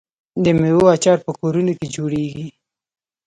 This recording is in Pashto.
د میوو اچار په کورونو کې جوړیږي.